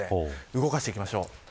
動かしていきましょう。